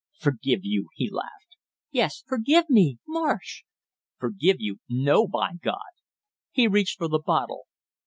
"Forgive you " He laughed. "Yes, forgive me Marsh!" "Forgive you no, by God!" He reached for the bottle.